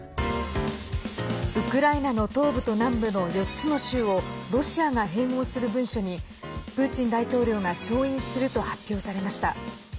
ウクライナの東部と南部の４つの州をロシアが併合する文書にプーチン大統領が調印すると発表されました。